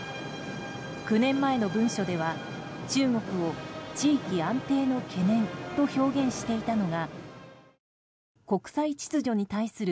９年前の文書では中国を地域安定の懸念と表現していたのが国際秩序に対する